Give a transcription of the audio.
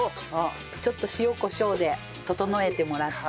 ちょっと塩コショウで調えてもらって。